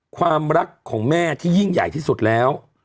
ความรักของแม่ที่ยิ่งใหญ่ที่สุดแล้ว